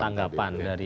dan tanggapan dari